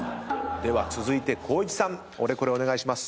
では続いて光一さんオレコレお願いします。